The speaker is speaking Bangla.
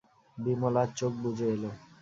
বিমলার চোখ বুজে এল।